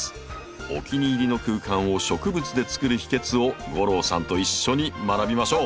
お気に入りの空間を植物で作る秘訣を吾郎さんと一緒に学びましょう！